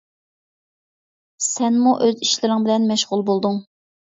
سەنمۇ ئۆز ئىشلىرىڭ بىلەن مەشغۇل بولدۇڭ.